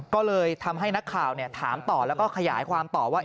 ก็เลยทำให้นักข่าวถามต่อแล้วก็ขยายความต่อว่า